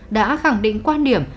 đã khẳng định quan điểm